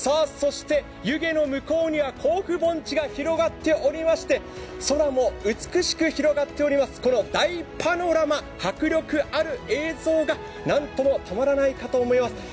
そして湯気の向こうには甲府盆地が広がっておりまして空も美しく広がっております、この大パノラマ、迫力ある映像がなんともたまらないかと思います。